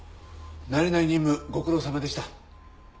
慣れない任務ご苦労さまでした。